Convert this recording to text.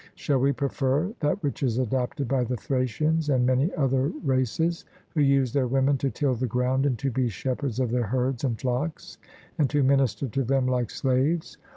Shall we prefer that which is adopted by the Thracians and many other races who use their women to till the ground and to be shepherds of their herds and flocks, and to minister to them like slaves?